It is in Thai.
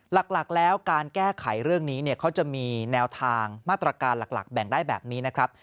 หลักแล้วการแก้ไขเรื่องนี้เขาจะมีแนวทางมาตรการหลักแบ่งได้แบบนี้นะครับ